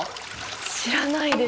知らないです。